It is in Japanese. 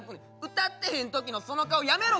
歌ってへん時のその顔やめろ！